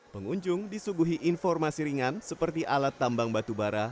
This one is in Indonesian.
pengunjung disuguhi informasi ringan seperti alat tambang batubara